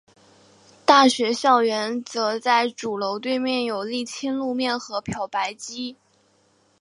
大学校园则在主楼对面有沥青路面和漂白机。